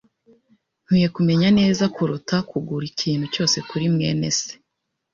Nkwiye kumenya neza kuruta kugura ikintu cyose kuri mwene se.